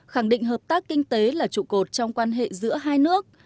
khẳng định hợp tác kinh tế là trụ cột trong quan hệ giữa hai nước